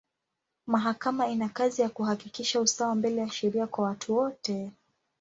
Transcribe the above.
Mahakama ina kazi ya kuhakikisha usawa mbele ya sheria kwa watu wote.